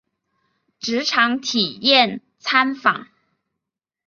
职场体验参访